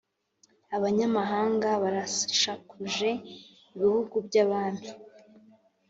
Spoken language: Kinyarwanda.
Abanyamahanga barashakuje Ibihugu by abami